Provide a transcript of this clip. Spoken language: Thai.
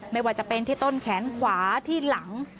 ไม่ว่าจะเป็นที่ต้นแขนขวาที่หลัง